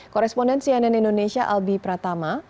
koresponden cnn indonesia albi pratama